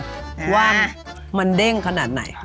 ว่ามันเด้งขนาดไหน